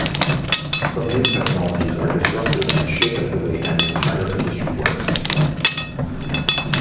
Some new technologies are disruptive and shake up the way an entire industry works.